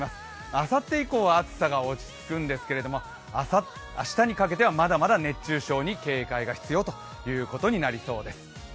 あさって以降は暑さが落ち着くんですけど明日にかけてはまだまだ熱中症に警戒が必要ということになりそうです。